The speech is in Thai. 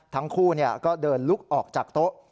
ทั้งคู่ก็เดินลุกออกจากโต๊ะ